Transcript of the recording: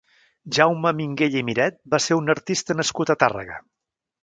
Jaume Minguell i Miret va ser un artista nascut a Tàrrega.